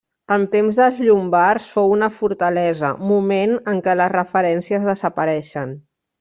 En temps dels llombards fou una fortalesa, moment en què les referències desapareixen.